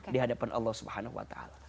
di hadapan allah swt